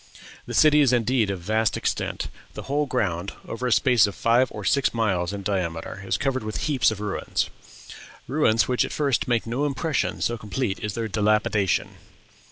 "The city is indeed of vast extent ... the whole ground, over a space of five or six miles in diameter, is covered with heaps of ruins ruins which at first make no impression, so complete is their dilapidation."